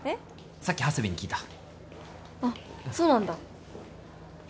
さっき長谷部に聞いたあっそうなんだよ